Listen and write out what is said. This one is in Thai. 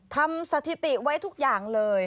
สถิติไว้ทุกอย่างเลย